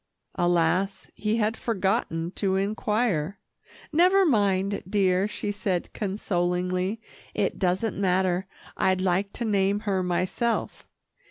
Alas! he had forgotten to inquire. "Never mind, dear," she said consolingly. "It doesn't matter. I'd like to name her myself.